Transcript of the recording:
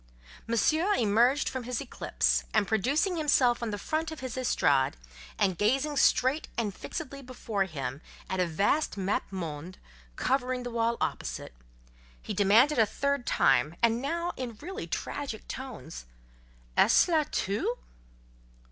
Monsieur emerged from his eclipse; and producing himself on the front of his estrade, and gazing straight and fixedly before him at a vast "mappe monde" covering the wall opposite, he demanded a third time, and now in really tragic tones— "Est ce là tout?"